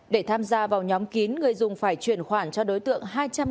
để tham gia vào nhóm kín người dùng phải truyền khoản cho đối tượng hai trăm linh